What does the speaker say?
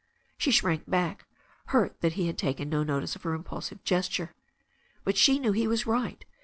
She shrank back, hurt that he had taken no notice of her impulsive gesture. But she knew he was right.